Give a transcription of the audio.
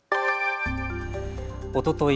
おととい